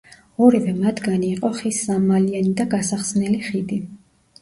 ორივე მათგანი იყო ხის სამმალიანი და გასახსნელი ხიდი.